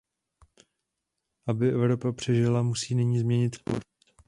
Aby Evropa přežila, musí nyní změnit kurz.